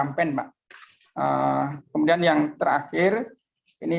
baik tiga tiga isu yang saya menyatakan yang pertama adalah pentes